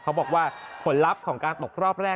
บอกว่าผลลัพธ์ของการตกรอบแรก